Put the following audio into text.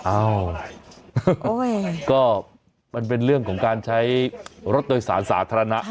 อ้าวก็มันเป็นเรื่องของการใช้รถโดยสารสาธารณะ